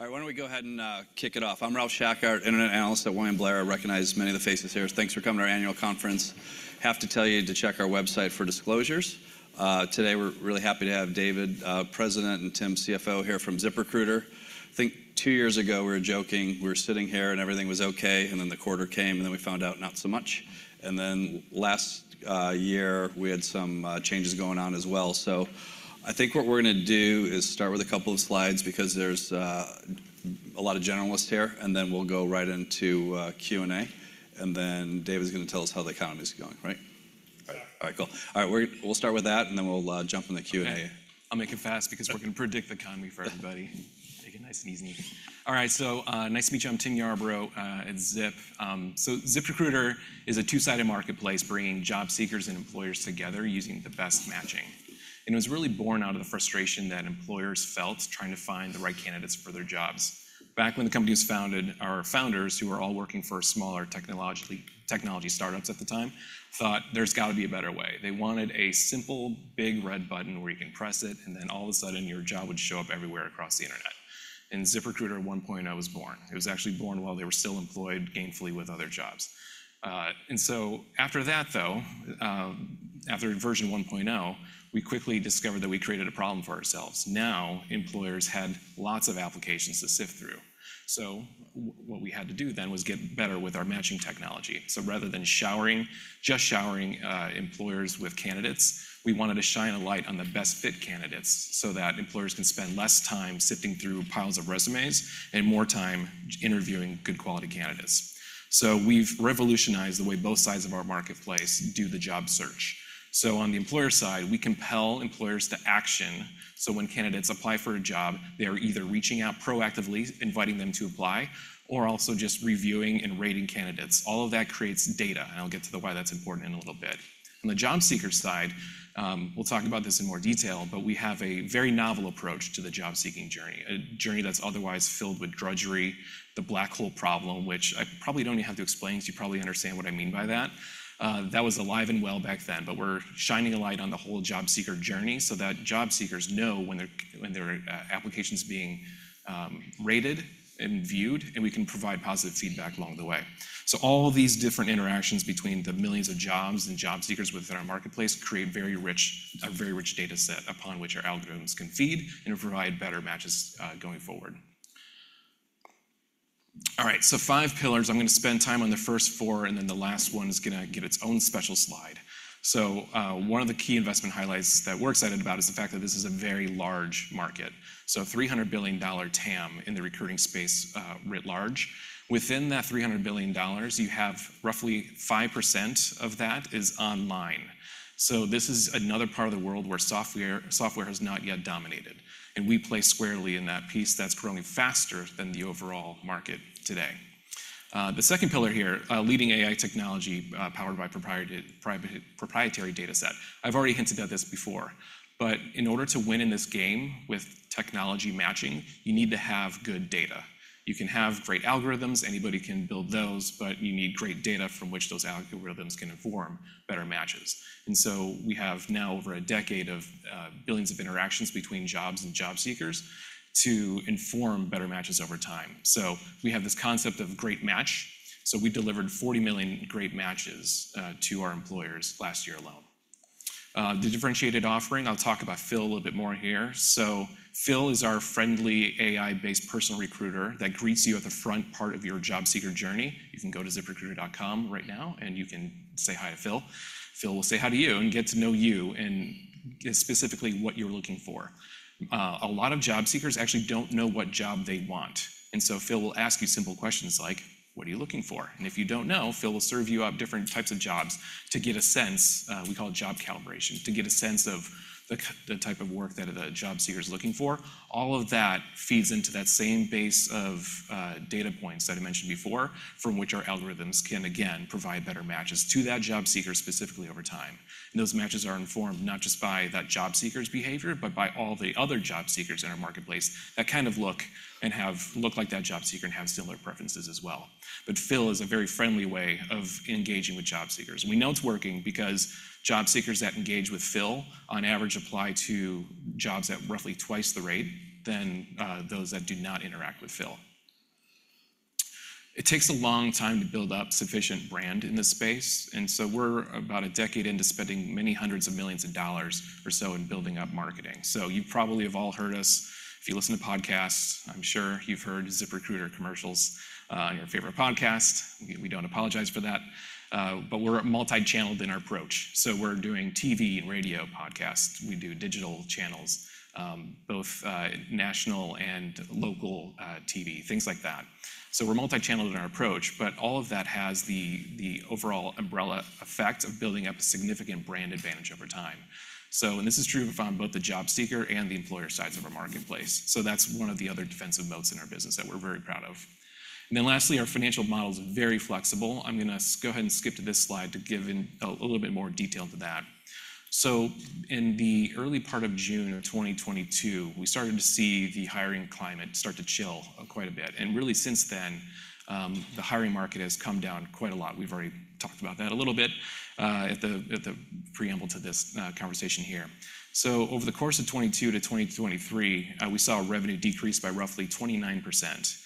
All right, why don't we go ahead and kick it off? I'm Ralph Schackart, internet analyst at William Blair. I recognize many of the faces here. Thanks for coming to our annual conference. Have to tell you to check our website for disclosures. Today, we're really happy to have David, President, and Tim, CFO, here from ZipRecruiter. I think two years ago, we were joking. We were sitting here, and everything was okay, and then the quarter came, and then we found out not so much. And then last year, we had some changes going on as well. So I think what we're gonna do is start with a couple of slides, because there's a lot of generalists here, and then we'll go right into Q&A. And then David's gonna tell us how the economy is going, right? Right. All right, cool. All right, we'll start with that, and then we'll jump in the Q&A. Okay. I'll make it fast because we're gonna predict the economy for everybody. Take it nice and easy. All right, so, nice to meet you. I'm Tim Yarbrough at Zip. So ZipRecruiter is a two-sided marketplace, bringing job seekers and employers together using the best matching, and it was really born out of the frustration that employers felt trying to find the right candidates for their jobs. Back when the company was founded, our founders, who were all working for smaller technology startups at the time, thought, "There's gotta be a better way." They wanted a simple, big, red button where you can press it, and then all of a sudden, your job would show up everywhere across the internet, and ZipRecruiter 1.0 was born. It was actually born while they were still employed gainfully with other jobs. And so after that, though, after version 1.0, we quickly discovered that we created a problem for ourselves. Now, employers had lots of applications to sift through. So what we had to do then was get better with our matching technology. So rather than showering, just showering, employers with candidates, we wanted to shine a light on the best-fit candidates, so that employers can spend less time sifting through piles of resumes and more time interviewing good-quality candidates. So we've revolutionized the way both sides of our marketplace do the job search. So on the employer side, we compel employers to action, so when candidates apply for a job, they are either reaching out proactively, inviting them to apply, or also just reviewing and rating candidates. All of that creates data, and I'll get to the why that's important in a little bit. On the job seeker side, we'll talk about this in more detail, but we have a very novel approach to the job-seeking journey, a journey that's otherwise filled with drudgery, the black hole problem, which I probably don't even have to explain, 'cause you probably understand what I mean by that. That was alive and well back then, but we're shining a light on the whole job seeker journey, so that job seekers know when their application's being rated and viewed, and we can provide positive feedback along the way. So all these different interactions between the millions of jobs and job seekers within our marketplace create a very rich data set, upon which our algorithms can feed and provide better matches, going forward. All right, so five pillars. I'm gonna spend time on the first four, and then the last one is gonna get its own special slide. So, one of the key investment highlights that we're excited about is the fact that this is a very large market, so a $300 billion TAM in the recruiting space, writ large. Within that $300 billion, you have roughly 5% of that is online. So this is another part of the world where software has not yet dominated, and we play squarely in that piece that's growing faster than the overall market today. The second pillar here, leading AI technology, powered by proprietary data set. I've already hinted at this before, but in order to win in this game with technology matching, you need to have good data. You can have great algorithms, anybody can build those, but you need great data from which those algorithms can inform better matches. And so we have now over a decade of billions of interactions between jobs and job seekers to inform better matches over time. So we have this concept of great match, so we delivered 40 million great matches to our employers last year alone. The differentiated offering, I'll talk about Phil a little bit more here. So Phil is our friendly, AI-based personal recruiter that greets you at the front part of your job seeker journey. You can go to ZipRecruiter.com right now, and you can say hi to Phil. Phil will say hi to you and get to know you and specifically what you're looking for. A lot of job seekers actually don't know what job they want, and so Phil will ask you simple questions like, "What are you looking for?" And if you don't know, Phil will serve you up different types of jobs to get a sense, we call it job calibration, to get a sense of the type of work that job seeker's looking for. All of that feeds into that same base of data points that I mentioned before, from which our algorithms can, again, provide better matches to that job seeker specifically over time. And those matches are informed not just by that job seeker's behavior, but by all the other job seekers in our marketplace that kind of look like that job seeker and have similar preferences as well. But Phil is a very friendly way of engaging with job seekers. We know it's working because job seekers that engage with Phil, on average, apply to jobs at roughly twice the rate than those that do not interact with Phil. It takes a long time to build up sufficient brand in this space, and so we're about a decade into spending many hundreds of millions or so in building up marketing. So you probably have all heard us. If you listen to podcasts, I'm sure you've heard ZipRecruiter commercials on your favorite podcast. We don't apologize for that, but we're multi-channeled in our approach. So we're doing TV and radio podcasts. We do digital channels, both national and local TV, things like that. So we're multi-channeled in our approach, but all of that has the overall umbrella effect of building up a significant brand advantage over time. So, and this is true for both the job seeker and the employer sides of our marketplace, so that's one of the other defensive moats in our business that we're very proud of. And then lastly, our financial model is very flexible. I'm gonna go ahead and skip to this slide to give a little bit more detail to that. So in the early part of June of 2022, we started to see the hiring climate start to chill quite a bit. And really since then, the hiring market has come down quite a lot. We've already talked about that a little bit, at the preamble to this conversation here. So over the course of 2022-2023, we saw a revenue decrease by roughly 29%.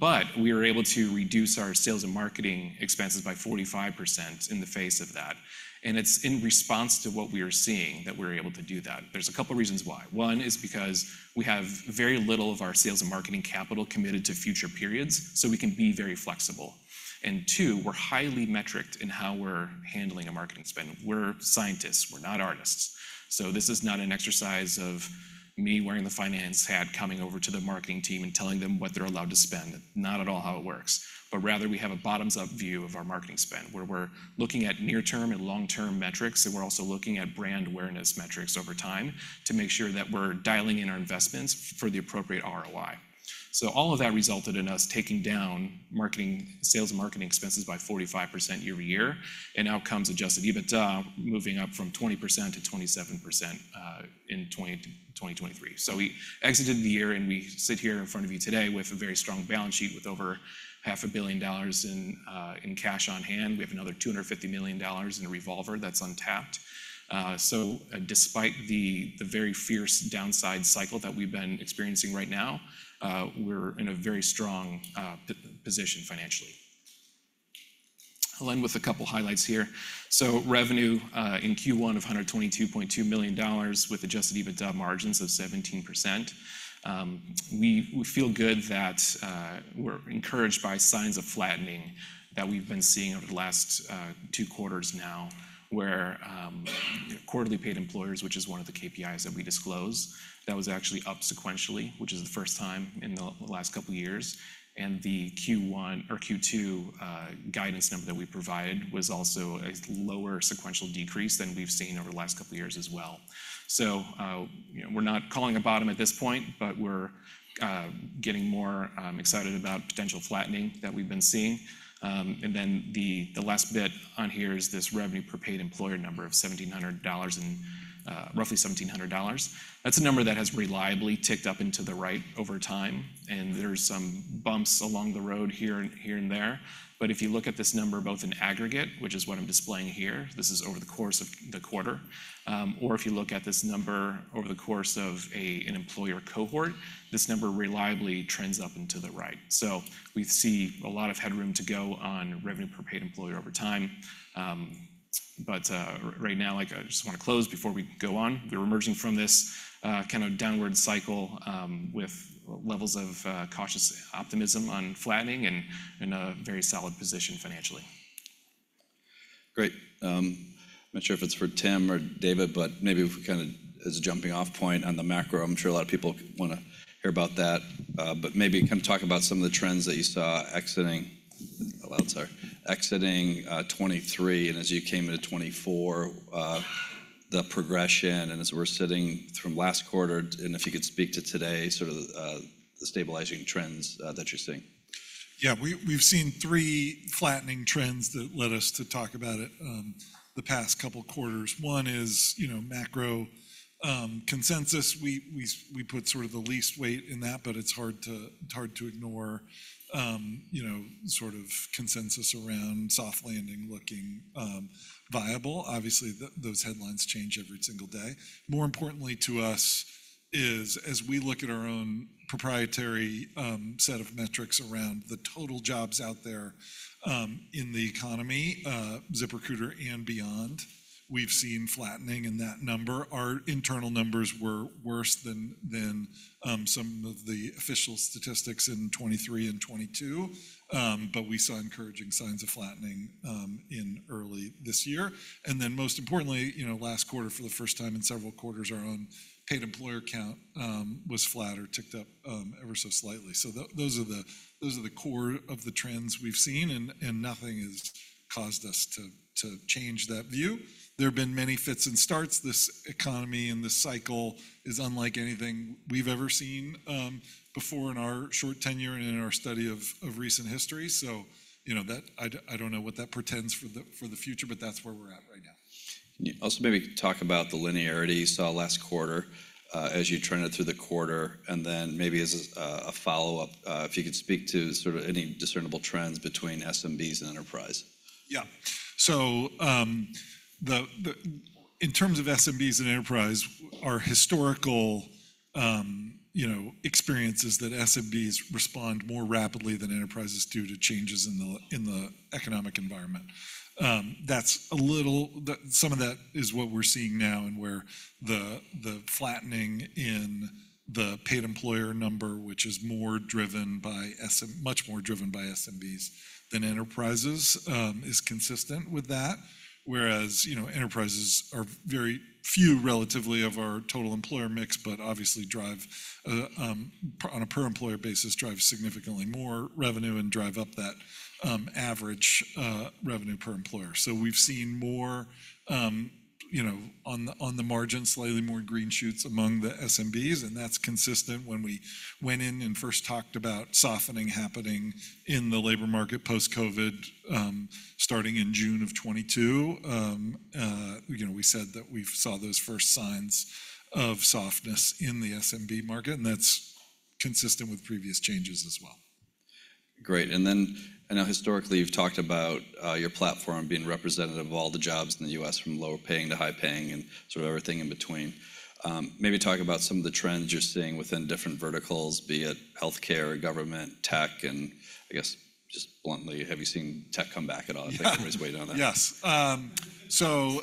But we were able to reduce our sales and marketing expenses by 45% in the face of that, and it's in response to what we are seeing that we're able to do that. There's a couple reasons why. One is because we have very little of our sales and marketing capital committed to future periods, so we can be very flexible. And two, we're highly metriced in how we're handling a marketing spend. We're scientists, we're not artists. So this is not an exercise of me wearing the finance hat, coming over to the marketing team and telling them what they're allowed to spend. Not at all how it works. But rather, we have a bottoms-up view of our marketing spend, where we're looking at near-term and long-term metrics, and we're also looking at brand awareness metrics over time to make sure that we're dialing in our investments for the appropriate ROI. So all of that resulted in us taking down marketing, sales and marketing expenses by 45% year-over-year, and our adjusted EBITDA, moving up from 20% to 27% in 2020-2023. So we exited the year, and we sit here in front of you today with a very strong balance sheet, with over $500 million in cash on hand. We have another $250 million in a revolver that's untapped. So despite the very fierce downside cycle that we've been experiencing right now, we're in a very strong position financially. I'll end with a couple highlights here. So revenue in Q1 of $122.2 million, with Adjusted EBITDA margins of 17%. We feel good that we're encouraged by signs of flattening that we've been seeing over the last two quarters now, where quarterly paid employers, which is one of the KPIs that we disclose, that was actually up sequentially, which is the first time in the last couple of years. The Q1 or Q2 guidance number that we provided was also a lower sequential decrease than we've seen over the last couple of years as well. So, you know, we're not calling a bottom at this point, but we're getting more, excited about potential flattening that we've been seeing. And then the last bit on here is this revenue per paid employer number of $1,700 and, roughly $1,700. That's a number that has reliably ticked up into the right over time, and there's some bumps along the road here and there. But if you look at this number, both in aggregate, which is what I'm displaying here, this is over the course of the quarter, or if you look at this number over the course of an employer cohort, this number reliably trends up and to the right. So we see a lot of headroom to go on revenue per paid employer over time. But, right now, like, I just wanna close before we go on. We're emerging from this kind of downward cycle with levels of cautious optimism on flattening and in a very solid position financially. Great. I'm not sure if it's for Tim or David, but maybe if we kind of as a jumping off point on the macro, I'm sure a lot of people wanna hear about that. But maybe kind of talk about some of the trends that you saw exiting 2023, and as you came into 2024, the progression, and as we're sitting from last quarter, and if you could speak to today, sort of, the stabilizing trends that you're seeing. Yeah, we've seen three flattening trends that led us to talk about it the past couple quarters. One is, you know, macro consensus. We put sort of the least weight in that, but it's hard to ignore, you know, sort of consensus around soft landing looking viable. Obviously, those headlines change every single day. More importantly to us is, as we look at our own proprietary set of metrics around the total jobs out there in the economy, ZipRecruiter and beyond, we've seen flattening in that number. Our internal numbers were worse than some of the official statistics in 2023 and 2022. But we saw encouraging signs of flattening in early this year. And then, most importantly, you know, last quarter, for the first time in several quarters, our own paid employer count was flat or ticked up, ever so slightly. So those are the, those are the core of the trends we've seen, and, and nothing has caused us to, to change that view. There have been many fits and starts. This economy and this cycle is unlike anything we've ever seen, before in our short tenure and in our study of, of recent history. So, you know, I don't know what that portends for the, for the future, but that's where we're at right now. Can you also maybe talk about the linearity you saw last quarter, as you turned it through the quarter? And then maybe as a follow-up, if you could speak to sort of any discernible trends between SMBs and enterprise? Yeah. So, the in terms of SMBs and enterprise, our historical, you know, experience is that SMBs respond more rapidly than enterprises due to changes in the economic environment. That's a little the, some of that is what we're seeing now and where the flattening in the paid employer number, which is more driven by much more driven by SMBs than enterprises, is consistent with that. Whereas, you know, enterprises are very few, relatively, of our total employer mix, but obviously drive on a per employer basis, drive significantly more revenue and drive up that, average revenue per employer. So we've seen more, you know, on the, on the margin, slightly more green shoots among the SMBs, and that's consistent when we went in and first talked about softening happening in the labor market post-COVID, starting in June of 2022. You know, we said that we saw those first signs of softness in the SMB market, and that's consistent with previous changes as well.... Great. And then, I know historically you've talked about your platform being representative of all the jobs in the U.S., from lower paying to high paying, and sort of everything in between. Maybe talk about some of the trends you're seeing within different verticals, be it healthcare, government, tech, and I guess just bluntly, have you seen tech come back at all? I think everybody's way down there. Yes. So,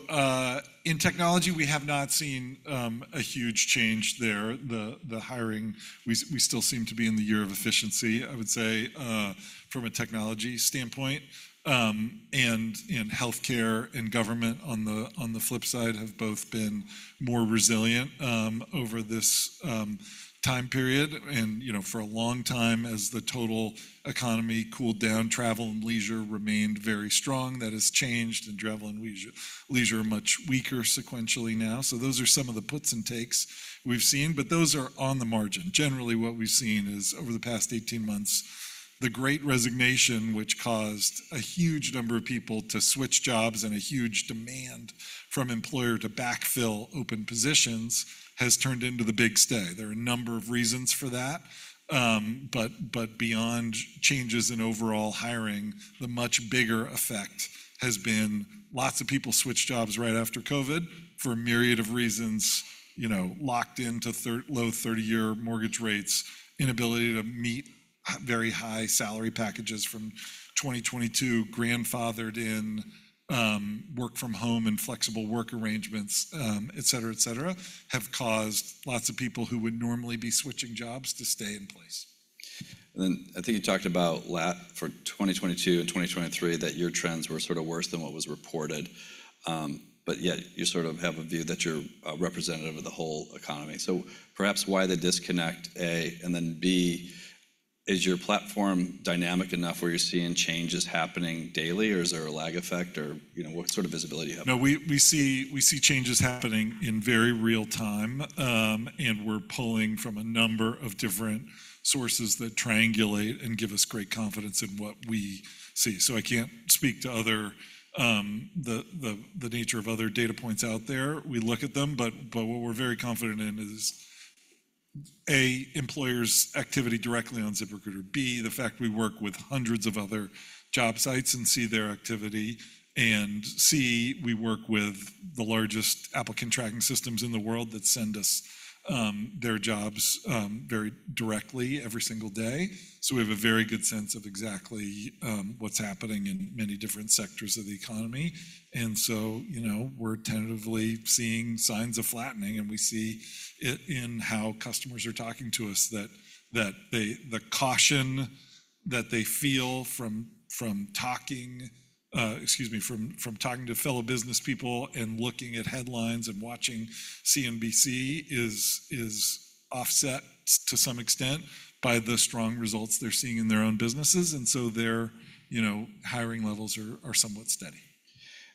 in technology, we have not seen a huge change there. The hiring, we still seem to be in the year of efficiency, I would say, from a technology standpoint. And in healthcare and government, on the flip side, have both been more resilient over this time period. And, you know, for a long time, as the total economy cooled down, travel and leisure remained very strong. That has changed, and travel and leisure are much weaker sequentially now. So those are some of the puts and takes we've seen, but those are on the margin. Generally, what we've seen is, over the past 18 months, the Great Resignation, which caused a huge number of people to switch jobs and a huge demand from employer to backfill open positions, has turned into the Big Stay. There are a number of reasons for that. But, but beyond changes in overall hiring, the much bigger effect has been lots of people switched jobs right after COVID for a myriad of reasons, you know, locked into their low 30-year mortgage rates, inability to meet very high salary packages from 2022, grandfathered in, work from home and flexible work arrangements, etc., etc., have caused lots of people who would normally be switching jobs to stay in place. And then I think you talked about for 2022 and 2023, that your trends were sort of worse than what was reported. But yet you sort of have a view that you're representative of the whole economy. So perhaps why the disconnect, A? And then, B, is your platform dynamic enough where you're seeing changes happening daily, or is there a lag effect, or, you know, what sort of visibility do you have? No, we see changes happening in very real time, and we're pulling from a number of different sources that triangulate and give us great confidence in what we see. So I can't speak to other, the nature of other data points out there. We look at them, but what we're very confident in is, A, employers' activity directly on ZipRecruiter, B, the fact we work with hundreds of other job sites and see their activity, and, C, we work with the largest applicant tracking systems in the world that send us their jobs very directly every single day. So we have a very good sense of exactly what's happening in many different sectors of the economy. And so, you know, we're tentatively seeing signs of flattening, and we see it in how customers are talking to us, that they feel the caution from talking to fellow business people and looking at headlines and watching CNBC is offset to some extent by the strong results they're seeing in their own businesses, and so their, you know, hiring levels are somewhat steady.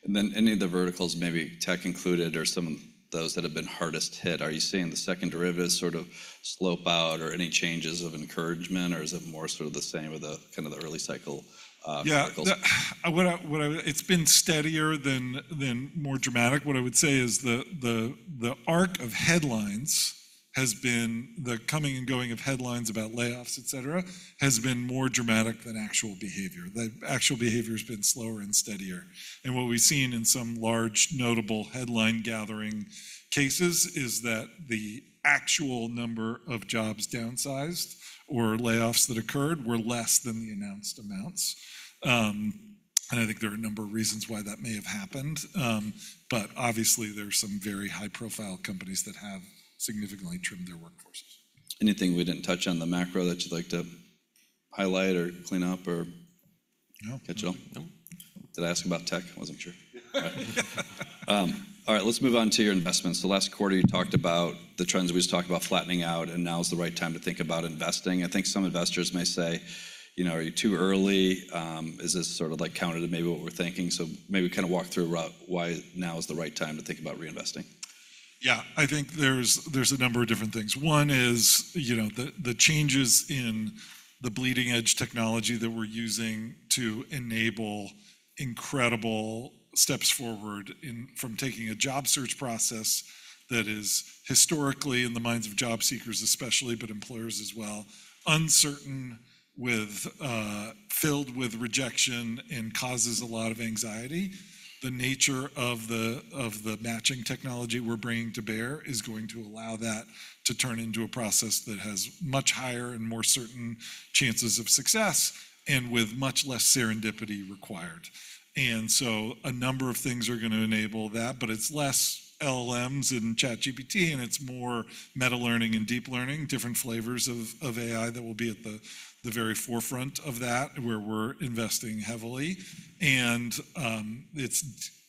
Any of the verticals, maybe tech included, or some of those that have been hardest hit, are you seeing the second derivative sort of slope out or any changes of encouragement, or is it more sort of the same with the kind of the early cycle, cycles? Yeah. What I... It's been steadier than more dramatic. What I would say is the arc of headlines has been, the coming and going of headlines about layoffs, etc., has been more dramatic than actual behavior. The actual behavior has been slower and steadier. And what we've seen in some large, notable headline gathering cases is that the actual number of jobs downsized or layoffs that occurred were less than the announced amounts. And I think there are a number of reasons why that may have happened. But obviously, there are some very high-profile companies that have significantly trimmed their workforces. Anything we didn't touch on the macro that you'd like to highlight or clean up or... No.... catch all? No. Did I ask about tech? I wasn't sure. All right, let's move on to your investments. The last quarter, you talked about the trends we just talked about flattening out, and now is the right time to think about investing. I think some investors may say, you know, "Are you too early? Is this sort of like counter to maybe what we're thinking?" So maybe kind of walk through why now is the right time to think about reinvesting. Yeah, I think there's a number of different things. One is, you know, the changes in the bleeding-edge technology that we're using to enable incredible steps forward in from taking a job search process that is historically, in the minds of job seekers especially, but employers as well, uncertain, with filled with rejection and causes a lot of anxiety. The nature of the matching technology we're bringing to bear is going to allow that to turn into a process that has much higher and more certain chances of success and with much less serendipity required. And so a number of things are gonna enable that, but it's less LLMs and ChatGPT, and it's more meta-learning and deep learning, different flavors of AI that will be at the very forefront of that, where we're investing heavily. And,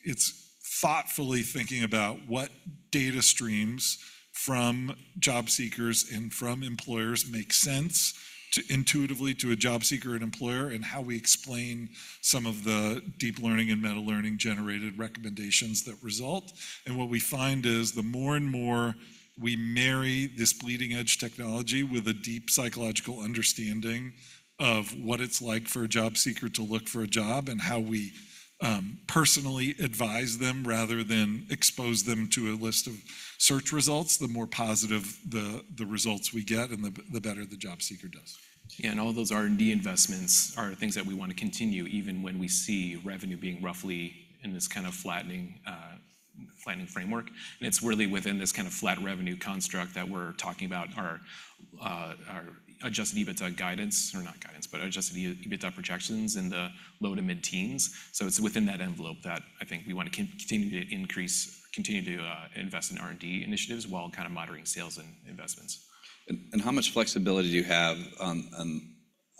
it's thoughtfully thinking about what data streams from job seekers and from employers make sense to intuitively to a job seeker and employer, and how we explain some of the deep learning and meta-learning-generated recommendations that result. And what we find is, the more and more we marry this bleeding-edge technology with a deep psychological understanding of what it's like for a job seeker to look for a job and how we personally advise them rather than expose them to a list of search results, the more positive the results we get, and the better the job seeker does. All those R&D investments are things that we want to continue, even when we see revenue being roughly in this kind of flattening framework. It's really within this kind of flat revenue construct that we're talking about our adjusted EBITDA guidance, or not guidance, but adjusted EBITDA projections in the low to mid-teens. So it's within that envelope that I think we want to continue to increase, continue to invest in R&D initiatives while kind of monitoring sales and investments. And how much flexibility do you have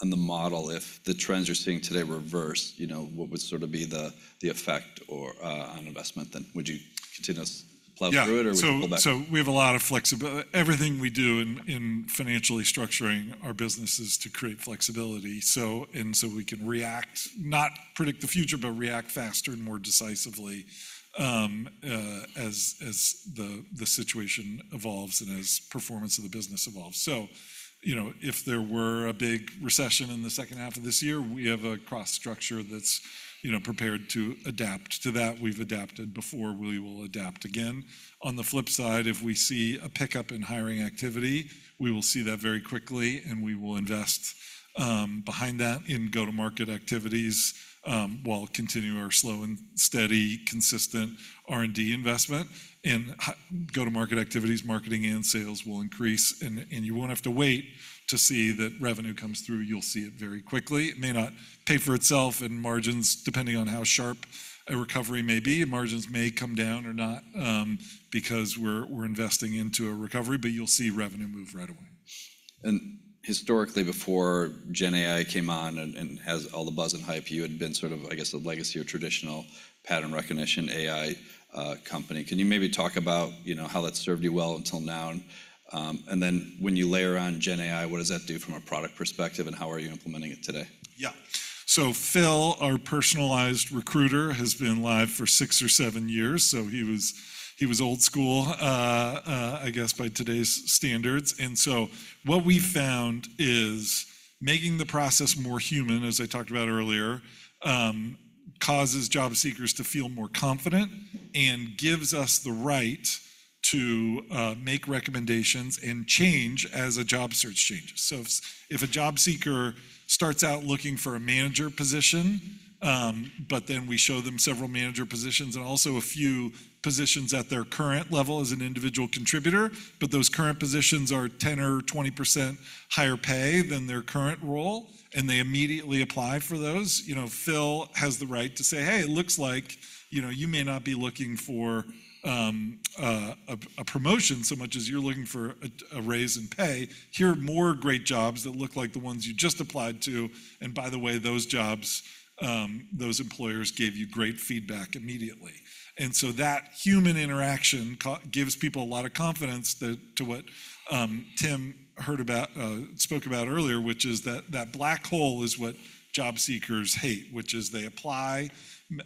on the model if the trends you're seeing today reverse? You know, what would sort of be the effect or on investment then? Would you continue to plow through it- Yeah... or would you pull back? So we have a lot of flexibility. Everything we do in financially structuring our business is to create flexibility. So we can react, not predict the future, but react faster and more decisively, as the situation evolves and as performance of the business evolves. So, you know, if there were a big recession in the second half of this year, we have a cross-structure that's, you know, prepared to adapt to that. We've adapted before. We will adapt again. On the flip side, if we see a pickup in hiring activity, we will see that very quickly, and we will invest behind that in go-to-market activities, while continuing our slow and steady, consistent R&D investment. Go-to-market activities, marketing and sales will increase, and you won't have to wait to see that revenue comes through. You'll see it very quickly. It may not pay for itself, and margins, depending on how sharp a recovery may be, margins may come down or not, because we're investing into a recovery, but you'll see revenue move right away. And historically, before GenAI came on and has all the buzz and hype, you had been sort of, I guess, a legacy or traditional pattern recognition AI company. Can you maybe talk about, you know, how that served you well until now? And then when you layer on GenAI, what does that do from a product perspective, and how are you implementing it today? Yeah. So Phil, our personalized recruiter, has been live for 6 or 7 years, so he was, he was old school, I guess, by today's standards. So what we found is making the process more human, as I talked about earlier, causes job seekers to feel more confident and gives us the right to make recommendations and change as a job search changes. So if a job seeker starts out looking for a manager position, but then we show them several manager positions and also a few positions at their current level as an individual contributor, but those current positions are 10% or 20% higher pay than their current role, and they immediately apply for those, you know, Phil has the right to say, "Hey, it looks like, you know, you may not be looking for a promotion so much as you're looking for a raise in pay. Here are more great jobs that look like the ones you just applied to, and by the way, those jobs, those employers gave you great feedback immediately." And so that human interaction gives people a lot of confidence that to what Tim heard about, spoke about earlier, which is that black hole is what job seekers hate, which is they apply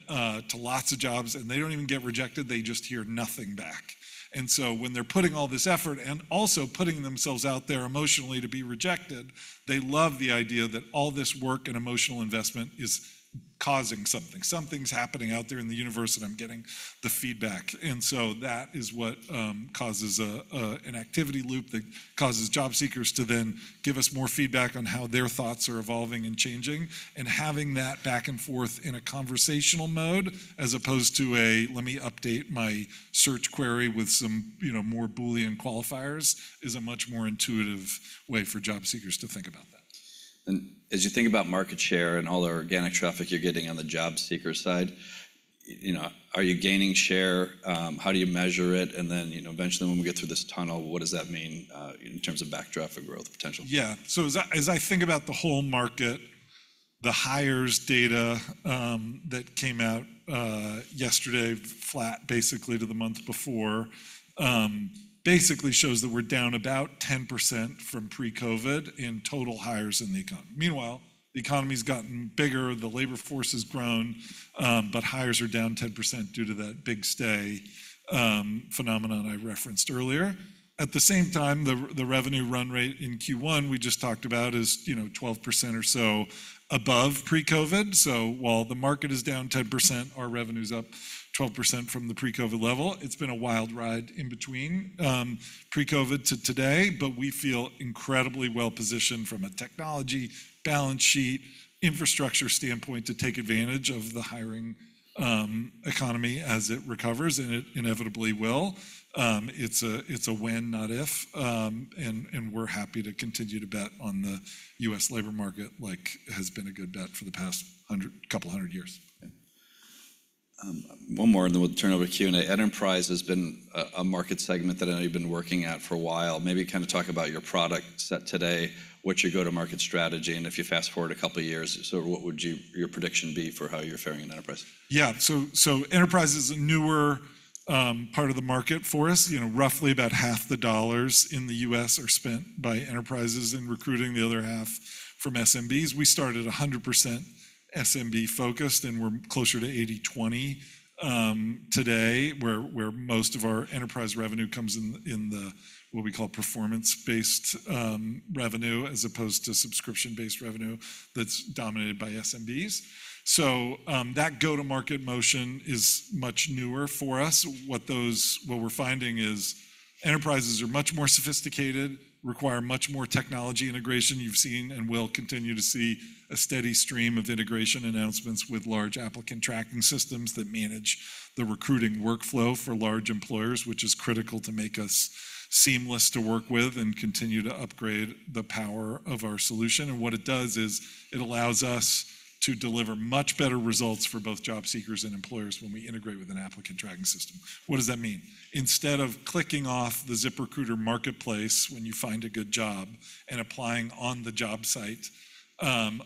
to lots of jobs, and they don't even get rejected. They just hear nothing back. And so when they're putting all this effort and also putting themselves out there emotionally to be rejected, they love the idea that all this work and emotional investment is causing something. Something's happening out there in the universe, and I'm getting the feedback. And so that is what causes an activity loop that causes job seekers to then give us more feedback on how their thoughts are evolving and changing. And having that back and forth in a conversational mode, as opposed to a, "Let me update my search query with some, you know, more Boolean qualifiers," is a much more intuitive way for job seekers to think about that. As you think about market share and all the organic traffic you're getting on the job seeker side, you know, are you gaining share? How do you measure it? And then, you know, eventually, when we get through this tunnel, what does that mean in terms of backdraft and growth potential? Yeah. So as I think about the whole market, the hires data that came out yesterday, flat basically to the month before, basically shows that we're down about 10% from pre-COVID in total hires in the economy. Meanwhile, the economy's gotten bigger, the labor force has grown, but hires are down 10% due to that big stay phenomenon I referenced earlier. At the same time, the revenue run rate in Q1, we just talked about, is, you know, 12% or so above pre-COVID. So while the market is down 10%, our revenue's up 12% from the pre-COVID level. It's been a wild ride in between, pre-COVID to today, but we feel incredibly well-positioned from a technology, balance sheet, infrastructure standpoint to take advantage of the hiring economy as it recovers, and it inevitably will. It's a when, not if, and we're happy to continue to bet on the U.S. labor market, like has been a good bet for the past 100, couple 100 years. One more, and then we'll turn over to Q&A. Enterprise has been a market segment that I know you've been working at for a while. Maybe kind of talk about your product set today, what's your go-to-market strategy, and if you fast-forward a couple of years, what would your prediction be for how you're faring in enterprise? Yeah. So enterprise is a newer part of the market for us. You know, roughly about half the dollars in the US are spent by enterprises in recruiting, the other half from SMBs. We started 100% SMB-focused, and we're closer to 80/20 today, where most of our enterprise revenue comes in the what we call performance-based revenue, as opposed to subscription-based revenue that's dominated by SMBs. So that go-to-market motion is much newer for us. What we're finding is enterprises are much more sophisticated, require much more technology integration. You've seen, and will continue to see, a steady stream of integration announcements with large applicant tracking systems that manage the recruiting workflow for large employers, which is critical to make us seamless to work with and continue to upgrade the power of our solution. What it does is, it allows us to deliver much better results for both job seekers and employers when we integrate with an applicant tracking system. What does that mean? Instead of clicking off the ZipRecruiter marketplace when you find a good job and applying on the job site,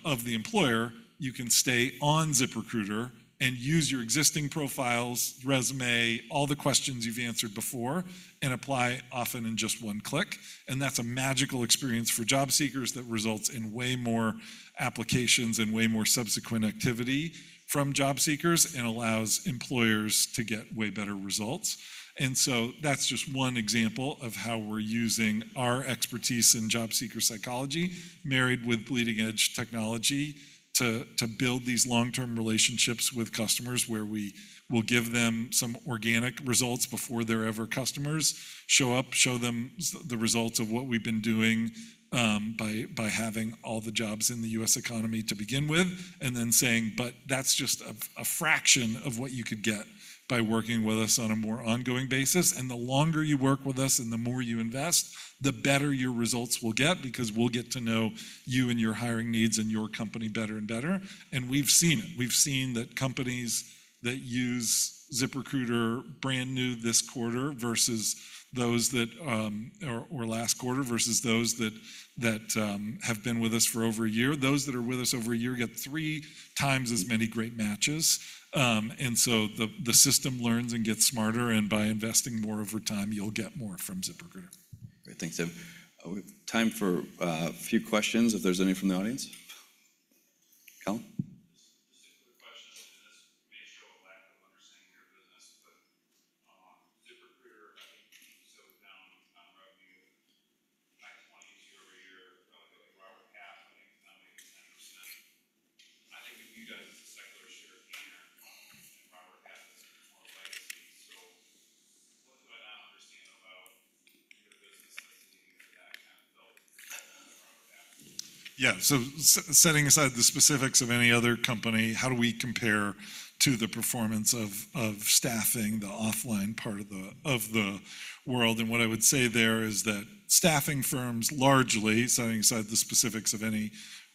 of the employer, you can stay on ZipRecruiter and use your existing profiles, resume, all the questions you've answered before, and apply often in just one click. And that's a magical experience for job seekers that results in way more applications and way more subsequent activity from job seekers and allows employers to get way better results. And so that's just one example of how we're using our expertise in job seeker psychology, married with leading-edge technology, to build these long-term relationships with customers, where we will give them some organic results before they're ever customers, show them the results of what we've been doing, by having all the jobs in the US economy to begin with, and then saying, "But that's just a fraction of what you could get by working with us on a more ongoing basis. And the longer you work with us and the more you invest, the better your results will get, because we'll get to know you and your hiring needs and your company better and better." And we've seen it. We've seen that companies that use ZipRecruiter brand new this quarter, versus those that last quarter, versus those that have been with us for over a year, those that are with us over a year get three times as many great matches. And so the system learns and gets smarter, and by investing more over time, you'll get more from ZipRecruiter. Great. Thanks, Dave. We've time for a few questions, if there's any from the audience. Colin? Just a quick question, and this may show a lack of understanding your business, but, ZipRecruiter, I think you slowed down on revenue by 22 year-over-year, probably like Robert Half, I think, down maybe 10%. I think of you guys as a secular share gainer, and Robert Half as more legacy. So what do I not understand about your business continuing to go back down, though? Yeah. So setting aside the specifics of any other company, how do we compare to the performance of staffing, the offline part of the world? What I would say there is that staffing firms largely, setting aside the specifics of any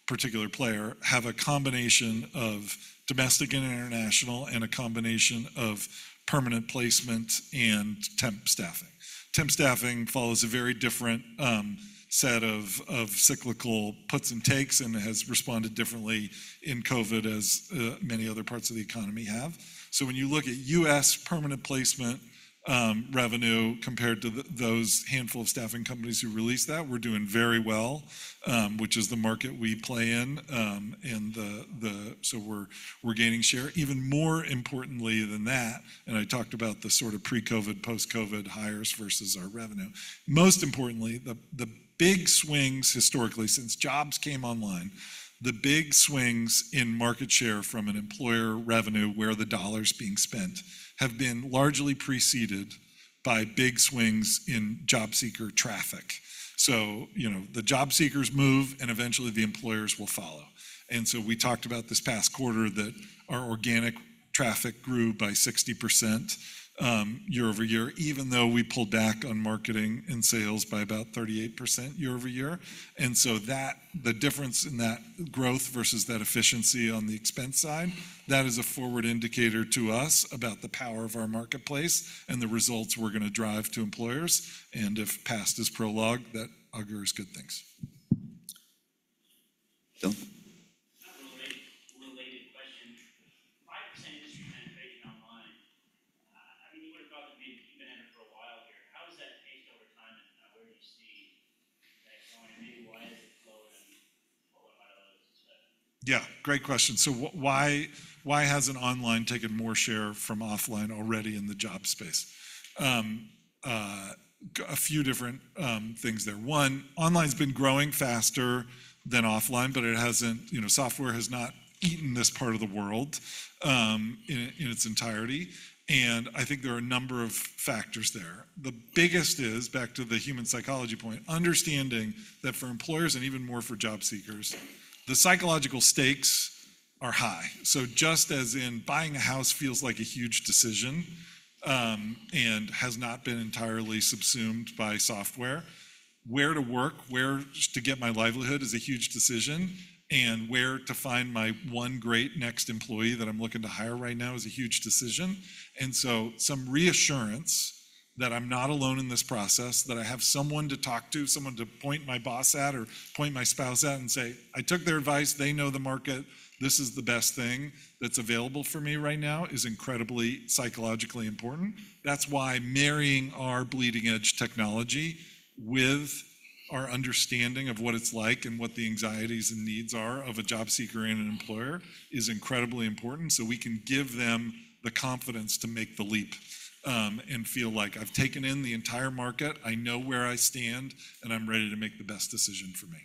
particular player, have a combination of domestic and international, and a combination of permanent placement and temp staffing. Temp staffing follows a very different set of cyclical puts and takes, and has responded differently in COVID, as many other parts of the economy have. So when you look at U.S. permanent placement revenue, compared to those handful of staffing companies who released that, we're doing very well, which is the market we play in. So we're gaining share. Even more importantly than that, and I talked about the sort of pre-COVID, post-COVID hires versus our revenue. Most importantly, the big swings historically, since jobs came online, the big swings in market share from an employer revenue, where the dollar's being spent, have been largely preceded by big swings in job seeker traffic. So, you know, the job seekers move, and eventually the employers will follow. And so we talked about this past quarter, that our organic traffic grew by 60%, year-over-year, even though we pulled back on marketing and sales by about 38% year-over-year. And so that, the difference in that growth versus that efficiency on the expense side, that is a forward indicator to us about the power of our marketplace and the results we're gonna drive to employers. And if past is prologue, that augurs good things. Bill? I have a related question. 5% of industry penetration online, I mean, you would have thought that maybe you've been at it for a while here. How has that changed over time, and where do you see that going, and maybe why hasn't it flowed and pulled up by those? Yeah, great question. So why, why hasn't online taken more share from offline already in the job space? A few different things there. One, online's been growing faster than offline, but it hasn't, you know, software has not eaten this part of the world, in, in its entirety, and I think there are a number of factors there. The biggest is, back to the human psychology point, understanding that for employers, and even more for job seekers, the psychological stakes are high. So just as in buying a house feels like a huge decision, and has not been entirely subsumed by software, where to work, where to get my livelihood is a huge decision, and where to find my one great next employee that I'm looking to hire right now is a huge decision. And so some reassurance that I'm not alone in this process, that I have someone to talk to, someone to point my boss at or point my spouse at and say, "I took their advice, they know the market. This is the best thing that's available for me right now," is incredibly psychologically important. That's why marrying our bleeding-edge technology with our understanding of what it's like and what the anxieties and needs are of a job seeker and an employer is incredibly important, so we can give them the confidence to make the leap, and feel like: I've taken in the entire market, I know where I stand, and I'm ready to make the best decision for me.